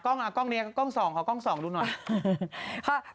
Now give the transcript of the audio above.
กล้องนี้กล้อง๒ขอกล้อง๒ดูหน่อย